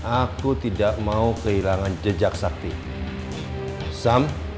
aku tidak mau kehilangan jejak sakti